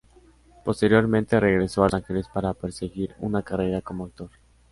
Posteriormente, regresó a Los Ángeles para perseguir una carrera como actor.